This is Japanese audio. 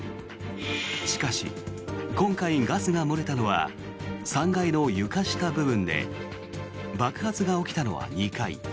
しかし、今回、ガスが漏れたのは３階の床下部分で爆発が起きたのは２階。